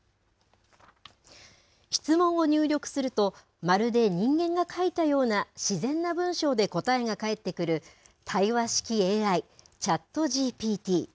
質問を入力すると、まるで人間が書いたような自然な文章で答えが返ってくる、対話式ＡＩ、ＣｈａｔＧＰＴ。